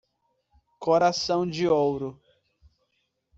Coração de ouro